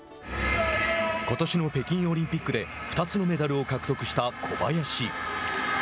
ことしの北京オリンピックで２つのメダルを獲得した小林。